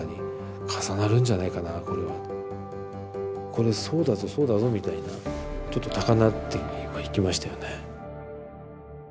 これそうだぞそうだぞみたいなちょっと高鳴ってはいきましたよね。